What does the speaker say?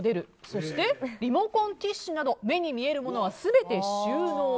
そしてリモコン、ティッシュなど目に見えるものは全て収納。